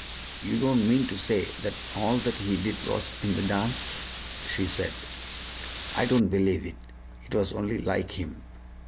"You don't mean to say that all that he did was in the dance?" she said. "I don't believe it. It was only like him."